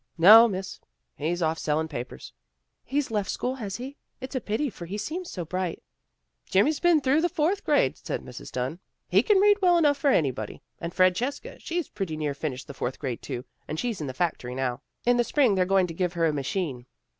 "" No, Miss. He's off sellin' papers." " He's left school, has he? It's a pity, for he seems so bright." " Jimmy's been through the fourth grade," said Mrs. Dunn. " He can read well enough for anybody. And Francesca, she pretty near finished the fourth grade, too, and she's in the factory now. In the spring they're going to give her a machine."